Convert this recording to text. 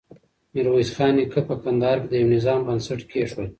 ميرويس خان نيکه په کندهار کې د يوه نظام بنسټ کېښود.